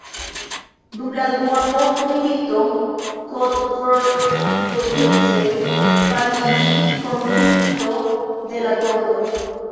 Dum la dua mondmilito Kotvrdovice fariĝis konsisto de la tn.